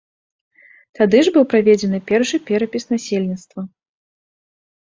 Тады ж быў праведзены першы перапіс насельніцтва.